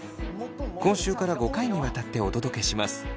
今週から５回にわたってお届けします。